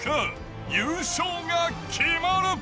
優勝が決まる。